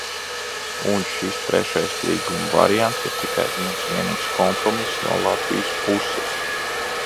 Un šis trešais līguma variants ir tikai viens vienīgs kompromiss no Latvijas puses.